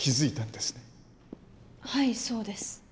はいそうです。